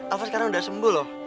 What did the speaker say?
aku sekarang udah sembuh loh